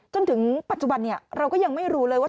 จนถึงปัจจุบันเราก็ยังไม่รู้เลยว่า